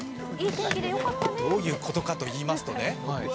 どういうことかといいますとね。